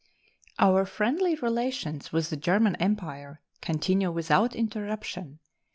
Our friendly relations with the German Empire continue without interruption.